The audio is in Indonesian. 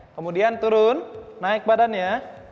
kemudian turun naik badannya